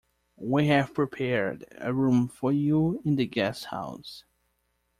We have prepared a room for you in the guest house.